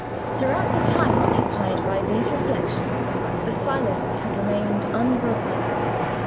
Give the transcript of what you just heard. Throughout the time occupied by these reflections, the silence had remained unbroken.